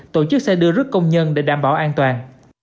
tổ chức xe đưa rước công nhân để đảm bảo an toàn